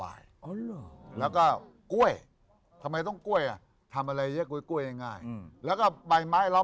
คิกคิกคิกคิกคิกคิกคิกคิกคิกคิกคิกคิกคิกคิก